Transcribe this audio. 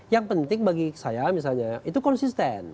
karena penting bagi saya misalnya itu konsisten